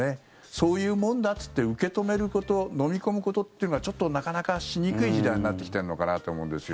そういうもんだっつって受け止めることのみ込むことっていうのはちょっとなかなかしにくい時代になってきてるのかなと思うんですよ。